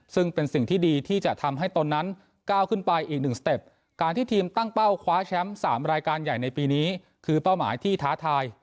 ซึ่งเป็นสิ่งที่ดีที่จะทำให้ตนนั้นก้าวขึ้นไปอีกหนึ่งสเต็ปการที่ทีมตั้งเป้าคว้าแชมป์สามรายการใหญ่ในปีนี้คือเป้าหมายที่ท้าทาย